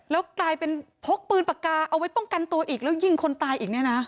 แล้วกลายเป็นพกปืนปากกาเอาไว้ป้องกันตัวอีกแล้วยิงคนตายอีกเนี่ยนะ